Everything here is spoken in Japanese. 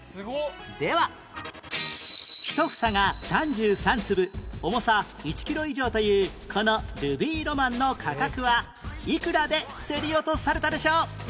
では１房が３３粒重さ１キロ以上というこのルビーロマンの価格はいくらで競り落とされたでしょう？